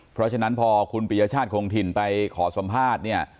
เพราะฉะนั้นพอคุณปียชาติคงถิ่นไปขอสัมภาษณ์เนี่ย